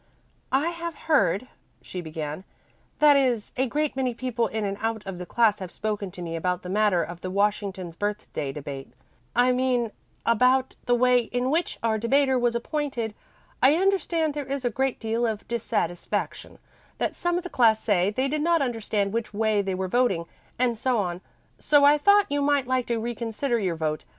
"I have heard," she began, "that is a great many people in and out of the class have spoken to me about the matter of the Washington's Birthday debate. I mean, about the way in which our debater was appointed. I understand there is a great deal of dissatisfaction that some of the class say they did not understand which way they were voting, and so on. So I thought you might like to reconsider your vote.